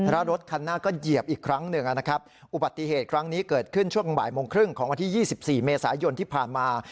แล้วรถคันหน้าก็เหยียบอีกครั้งหนึ่งนะครับอุบัติเหตุครั้งนี้เกิดขึ้นช่วงบ่ายโมงครึ่งของวันที่๒๔เมษายนที่ผ่านมา